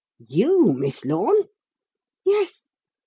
"You, Miss Lorne?" "Yes.